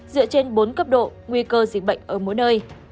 dựa trên bốn cấp độ nguy cơ dịch bệnh ở mỗi nơi